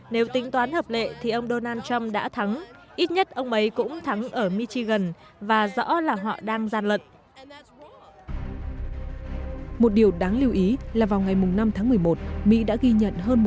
nếu tính toán hợp lệ thì ông donald trump đã thắng ít nhất ông ấy cũng thắng ở michigan và rõ là họ đang gian lận